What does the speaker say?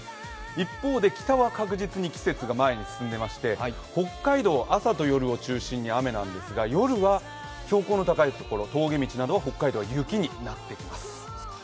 一方で北は確実に季節が前に進んでいまして、北海道、朝と夜を中心に雨なんですが、夜は標高の高いところ、峠道などは雪になっていきます。